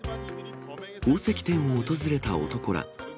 宝石店を訪れた男ら。